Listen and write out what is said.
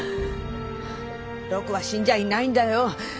六は死んじゃいないんだよ。